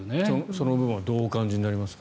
その部分はどうお感じになりますか？